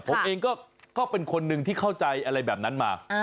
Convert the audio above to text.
ผมเองก็เป็นคนหนึ่งที่เข้าใจอะไรแบบนั้นมา